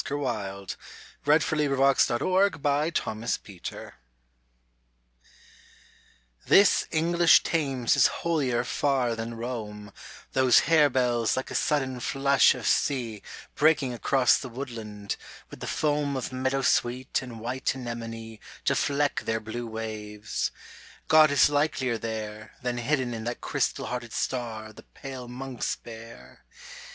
[7»3 I THE BURDEN OF ITYS THE BURDEN OF ITYS THIS English Thames is holier far than Rome, Those harebells like a sudden flush of sea Breaking across the woodland, with the foam Of meadow sweet and white anemone To fleck their blue waves, — God is likelier there, Than hidden in that crystal hearted star the pale monks bear!